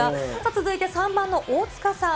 続いて３番の大塚さん。